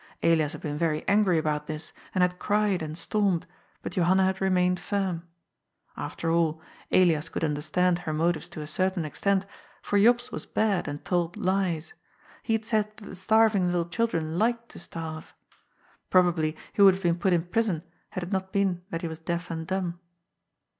Elias had been very angry about this, and had cried and stormed, but Johanna had remained firm. After all, Elias could understand her motives to a certain extent, for Jops was bad and told lies. He had said that the starving little children liked to starve. Probably he would have been put in prison, had it not been that he was deaf and dumb.